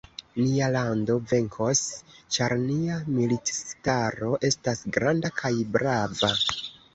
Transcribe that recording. Nia lando venkos, ĉar nia militistaro estas granda kaj brava.